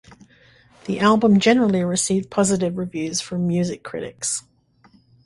The album generally received positive reviews from music critics.